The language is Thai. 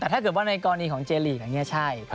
แต่ถ้าเกิดในกรณีของเจลีกเนี่ยใช่